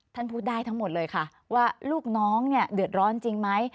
ท่านพูดได้ทั้งหมดเลยค่ะว่าลูกน้องเนี่ยเดือดร้อนจริงไหม